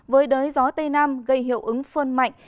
với đới gió tây nam gây hiệu ứng phơn mạnh